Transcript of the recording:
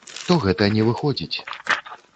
То гэта не выходзіць.